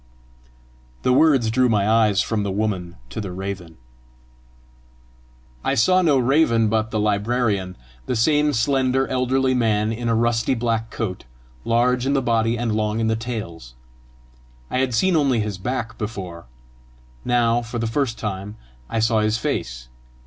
The words drew my eyes from the woman to the raven. I saw no raven, but the librarian the same slender elderly man, in a rusty black coat, large in the body and long in the tails. I had seen only his back before; now for the first time I saw his face.